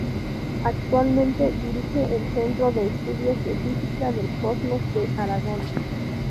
Actualmente dirige el Centro de Estudios de Física del Cosmos de Aragón.